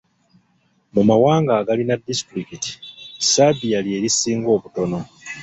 Mu mawanga agalina disitulikiti, Sebai lye lisinga obutono.